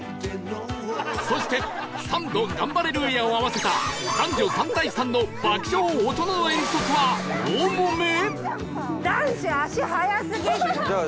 そしてサンドガンバレルーヤを合わせた男女３対３の爆笑大人の遠足は大もめ！？